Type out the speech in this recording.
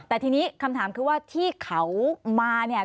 แต่ทีนี้คำถามคือว่าที่เขามาเนี่ย